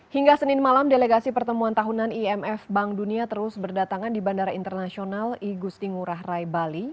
hingga senin malam delegasi pertemuan tahunan imf bank dunia terus berdatangan di bandara internasional igusti ngurah rai bali